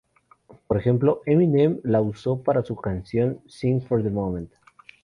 Por ejemplo, Eminem la usó para su canción "Sing for the Moment".